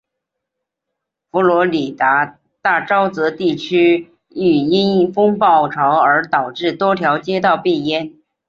佛罗里达大沼泽地区域因风暴潮而导致多条街道被淹。